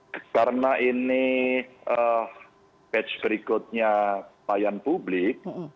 karena ini patch berikutnya pelayan publik